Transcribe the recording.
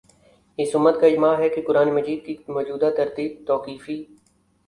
اس امت کا اجماع ہے کہ قرآن مجید کی موجودہ ترتیب توقیفی